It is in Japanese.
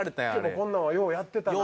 こんなんはようやってたな。